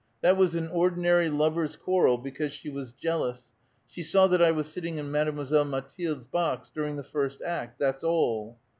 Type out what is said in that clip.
That was an ordinary lover's quarrel because she was jealous ; she saw that I was sitting iu Mademoiselle Mathilde's box during the first act ; that's all."